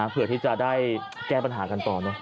เพื่อที่จะได้แก้ปัญหากันต่อเนอะ